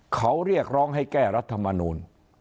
เขาเรียกร้องให้แก้รัฐมนูล